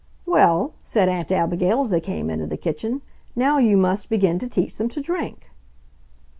"Well," said Aunt Abigail, as they came into the kitchen, "now you must begin to teach them to drink."